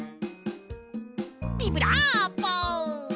ビブラーボ！